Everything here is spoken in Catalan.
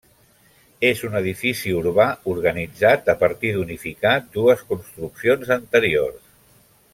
És un edifici urbà organitzat a partir d'unificar dues construccions anteriors.